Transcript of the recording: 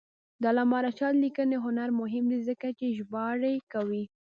د علامه رشاد لیکنی هنر مهم دی ځکه چې ژباړې کوي.